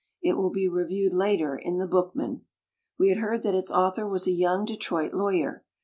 It will be reviewed later in The Book man. We had heard that its author was a young Detroit lawyer.